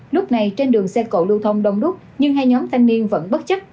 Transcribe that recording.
lúc này trên đường xe cộ lưu thông đông đúc nhưng hai nhóm thanh niên vẫn bất chấp